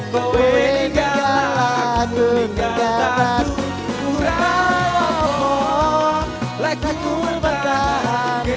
kau yang tinggal lagu tinggal batu